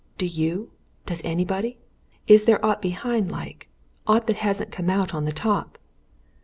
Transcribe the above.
Do you? Does anybody? Is there aught behind, like; aught that hasn't come out on the top?"